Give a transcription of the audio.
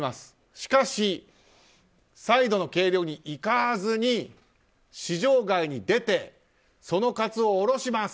しかし、再度の計量に行かずに市場外に出てそのカツオを下ろします。